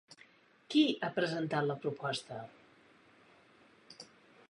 Qui ha presentat la proposta?